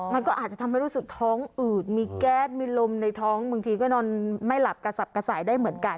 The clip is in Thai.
มันก็อาจจะทำให้รู้สึกท้องอืดมีแก๊สมีลมในท้องบางทีก็นอนไม่หลับกระสับกระส่ายได้เหมือนกัน